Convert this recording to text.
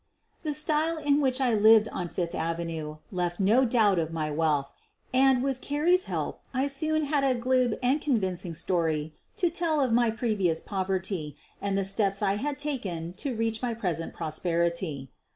The style in which I lived on Fifth avenue left no doubt of my wealth, and, with Carrie 's help, I soon had a glib and convincing story to tell of my previ ous poverty and the steps I had taken to reach my present prosperity.